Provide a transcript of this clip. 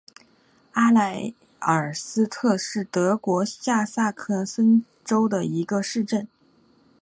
阿莱尔斯特是德国下萨克森州的一个市镇。